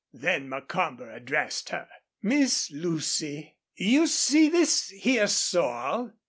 Then Macomber addressed her: "Miss Lucy, you see this here sorrel?"